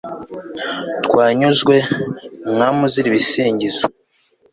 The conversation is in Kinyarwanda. twanyuzwe, mwami uzira ibisingizo